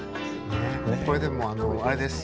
これでもあれです。